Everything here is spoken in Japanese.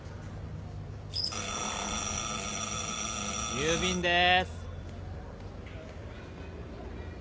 郵便です。